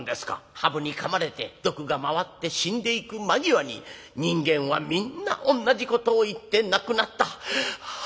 「ハブにかまれて毒が回って死んでいく間際に人間はみんな同じことを言って亡くなった。